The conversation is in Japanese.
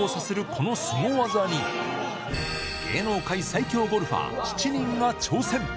このスゴ技に、芸能界最強ゴルファー７人が挑戦。